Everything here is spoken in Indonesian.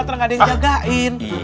terang ada yang jagain